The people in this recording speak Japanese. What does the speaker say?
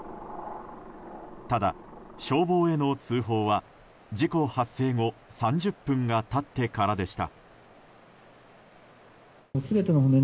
ただ、消防への通報は事故発生後３０分が経ってからでした。